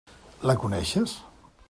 La coneixes?